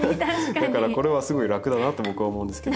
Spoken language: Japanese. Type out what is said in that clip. だからこれはすごい楽だなと僕は思うんですけど。